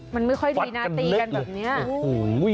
มันไม่ค่อยดีนะไตกันแบบนี้